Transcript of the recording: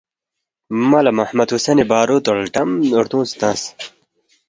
ملا محمد حسینی بارود ہلٹم ردونگے تنگس،